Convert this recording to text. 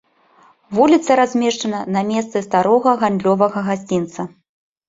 Вуліца размешчана на месцы старога гандлёвага гасцінца.